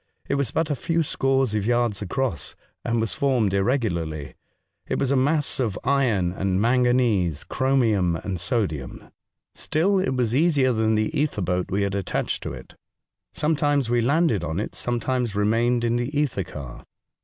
It was but a few scores of yards across, and was formed irregularly. It was a mass of iron and manganese, chromium, and sodium. Still it was easier than the ether boat we had attached to it. Sometimes we landed on it, sometimes remained in the ether car.